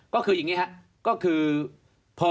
ก็คืออย่างนี้ครับ